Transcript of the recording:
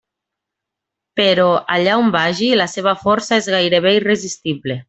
Però, allà on vagi, la seva força és gairebé irresistible.